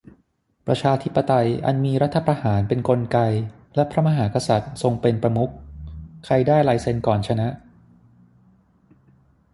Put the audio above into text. ประชาธิปไตยอันมีรัฐประหารเป็นกลไกและพระมหากษัตริย์ทรงเป็นประมุข ใครได้ลายเซ็นก่อนชนะ